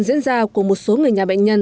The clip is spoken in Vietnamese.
diễn ra của một số người nhà bệnh nhân